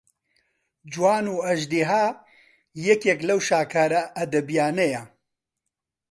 جوان و ئەژدیها یەکێک لەو شاکارە ئەدەبیانەیە